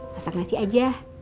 masak nasi aja